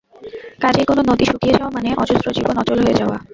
কাজেই কোনো নদী শুকিয়ে যাওয়া মানে অজস্র জীবন অচল হয়ে যাওয়া।